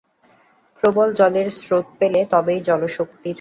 প্রবল জলের স্রোত পেলে তবেই জলশক্তির সাহায্যে খনির কাজ করা যেতে পারে।